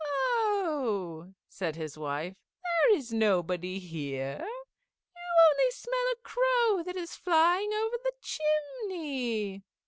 "Oh!" said his wife, "there is nobody here. You only smell a crow that is flying over the chimney."